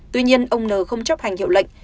tuy nhiên ông n không chấp hành hiệu lệnh